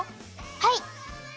はい！